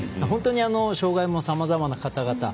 本当の障がいもさまざまな方々